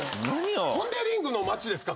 ポン・デ・リングの町ですか？